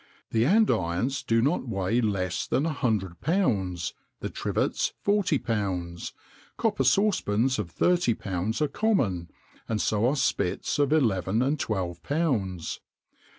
The andirons do not weigh less than a hundred pounds, the trivets forty pounds; copper saucepans of thirty pounds are common, and so are spits of eleven and twelve pounds.